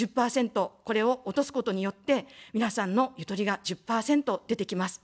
１０％、これを落とすことによって、皆さんのゆとりが１０％出てきます。